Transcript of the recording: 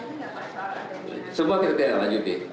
semua terjadi lagi kita sudah melakukan penyelidikan